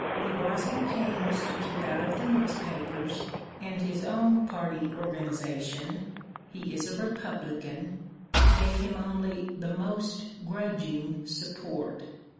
He was at pains to keep out of the newspapers, and his own party organization (he is a Republican) gave him only the most grudging support.